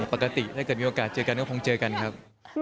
ปกติถ้าเกิดมีโอกาสเจอกันก็คงเจอกันครับ